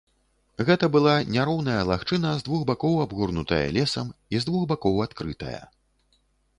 Гэта была няроўная лагчына, з двух бакоў абгорнутая лесам і з двух бакоў адкрытая.